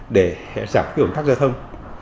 để giảm cái ổn tắc giao thông